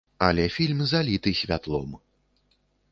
Але фільм заліты святлом.